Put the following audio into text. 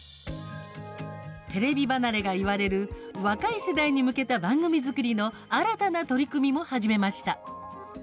テレビ離れが言われる若い世代に向けた番組作りの新たな取り組みも始めました。